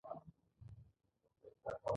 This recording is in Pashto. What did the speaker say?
د ماشومانو لپاره ځانګړي کارتونونه جوړېږي.